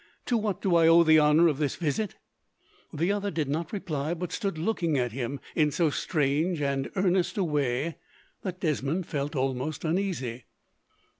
"To what do I owe the honour of this visit?" The other did not reply, but stood looking at him, in so strange and earnest a way, that Desmond felt almost uneasy.